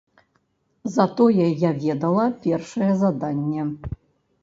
Затое я ведала першае заданне.